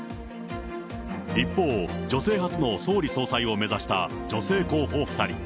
一方、女性初の総理総裁を目指した女性候補２人。